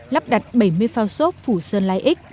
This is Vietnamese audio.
lắp đặt bảy mươi phao xốp phủ sơn lai ích